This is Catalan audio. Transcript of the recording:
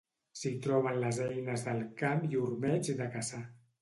S'hi troben les eines del camp i ormeigs de caçar.